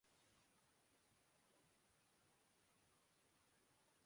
یکم مئی کی کیا اہمیت ہوگی